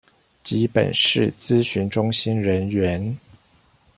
及本市諮詢中心人員